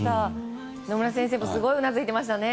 野村先生もすごいうなずいてましたね。